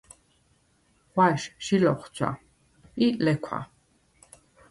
ღვაშ ჟი ლოხცვა ი ლექვა.